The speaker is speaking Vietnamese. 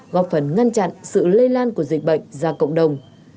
góp phần ngăn chặn sự lây lan của dịch bệnh ra cộng đồng